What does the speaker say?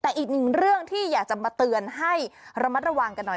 แต่อีกหนึ่งเรื่องที่อยากจะมาเตือนให้ระมัดระวังกันหน่อย